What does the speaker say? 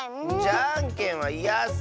じゃんけんはいやッス！